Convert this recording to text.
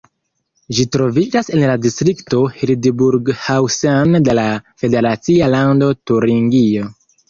Ĝi troviĝas en la distrikto Hildburghausen de la federacia lando Turingio.